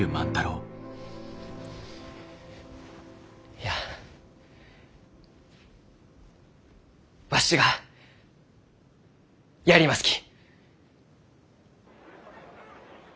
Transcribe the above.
いやわしはやりますき。